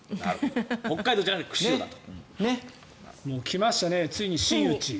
北海道じゃなくて釧路だと。